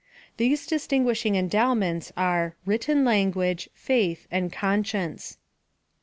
These distinguishing endow ments are Written Language^ Faith, and Con .science.